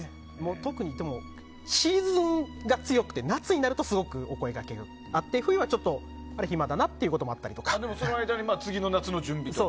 特にシーズンが強くて夏になるとすごくお声がけがあって、冬はちょっと暇だなっていうことがでもその間に次の夏の準備とか。